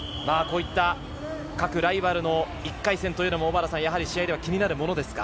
各ライバルの１回戦というのも試合では気なるものですか？